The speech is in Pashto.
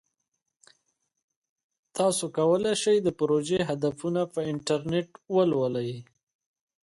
تاسو کولی شئ د پروژې هدفونه په انټرنیټ ولولئ.